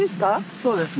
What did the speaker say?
そうですね。